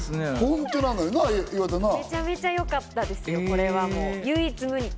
めちゃめちゃよかったですよ、唯一無二。